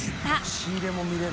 仕入れも見れる。